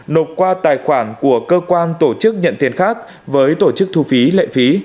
nộp qua tài khoản của cơ quan tổ chức nhận tiền khác với tổ chức thu phí lệ phí